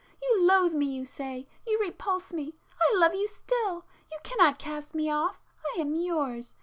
You loathe me, you say—you repulse me,—I love you still! You cannot cast me off—I am yours!